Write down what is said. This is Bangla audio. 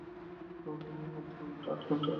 আট ঘণ্টার যাত্রা।